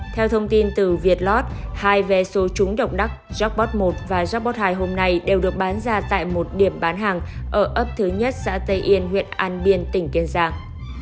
theo thông tin từ việt lot hai vé số trúng động đắc bót một và jobot hai hôm nay đều được bán ra tại một điểm bán hàng ở ấp thứ nhất xã tây yên huyện an biên tỉnh kiên giang